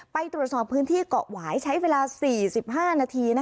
ไปตรวจสอบพื้นที่เกาะหวายใช้เวลา๔๕นาที